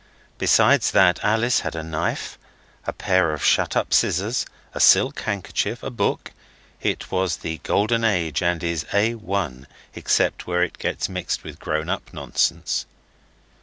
Besides that Alice had a knife, a pair of shut up scissors, a silk handkerchief, a book it was The Golden Age and is A1 except where it gets mixed with grown up nonsense.